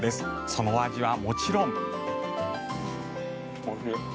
そのお味はもちろん。